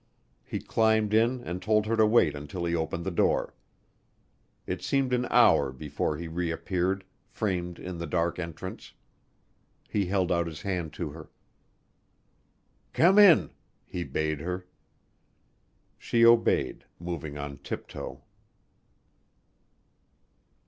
He climbed in and told her to wait until he opened the door. It seemed an hour before he reappeared, framed in the dark entrance. He held out his hand to her. "Come in," he bade her. She obeyed, moving on tiptoe.